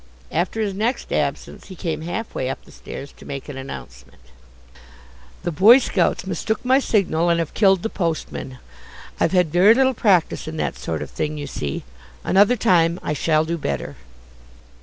After his next absence he came half way up the stairs to make an announcement. "The Boy scouts mistook my signal, and have killed the postman. I've had very little practice in this sort of thing, you see. Another time I shall do better."